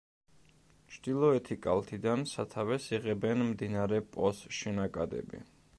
ჩრდილოეთი კალთიდან სათავეს იღებენ მდინარე პოს შენაკადები.